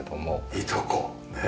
いとこねえ。